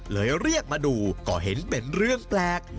เรียกมาดูก็เห็นเป็นเรื่องแปลก